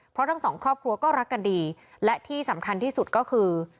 เพราะทั้งสองครอบครัวก็รักกันดีและที่สำคัญที่สุดก็คือ